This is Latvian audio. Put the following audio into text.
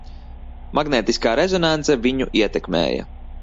Magnētiskā rezonanse viņu ietekmēja.